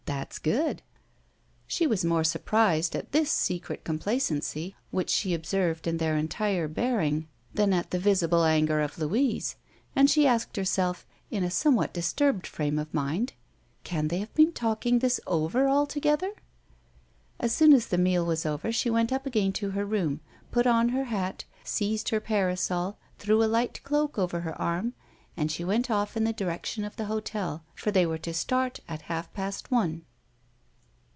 that's good!" She was more surprised at this secret complacency which she observed in their entire bearing than at the visible anger of Louise; and she asked herself, in a somewhat disturbed frame of mind: "Can they have been talking this over all together?" As soon as the meal was over, she went up again to her room, put on her hat, seized her parasol, threw a light cloak over her arm, and she went off in the direction of the hotel, for they were to start at half past one.